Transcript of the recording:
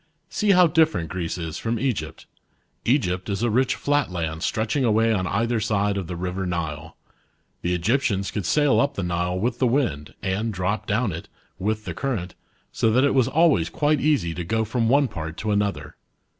See how different Greece is from Egypt. Egypt is a rich flat land stretching away on either side of the river Nile. The Egyptians could sail up the Nile with the wind, and* drop down it, with the current, so th^t it was always quite easy to *go from one part to another.